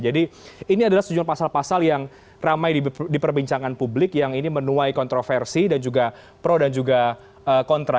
jadi ini adalah sejumlah pasal pasal yang ramai diperbincangan publik yang ini menuai kontroversi dan juga pro dan juga kontra